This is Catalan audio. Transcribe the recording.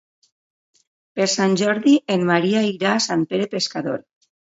Per Sant Jordi en Maria irà a Sant Pere Pescador.